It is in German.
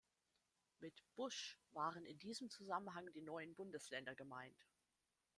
Mit „Busch“ waren in diesem Zusammenhang die neuen Bundesländer gemeint.